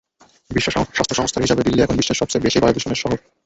বিশ্ব স্বাস্থ্য সংস্থার হিসাবে দিল্লি এখন বিশ্বের সবচেয়ে বেশি বায়ুদূষণের শহর।